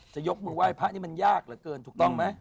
ยกมือไหว้พระนี่มันยากเหลือเกินถูกต้องไหม